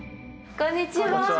こんにちは